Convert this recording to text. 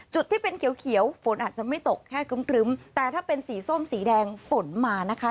จุดที่เป็นเขียวฝนอาจจะไม่ตกแค่ครึ้มแต่ถ้าเป็นสีส้มสีแดงฝนมานะคะ